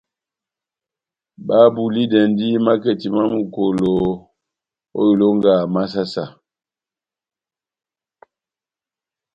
Babulidɛndi maketi má Mukolo ó ilonga má saha-saha.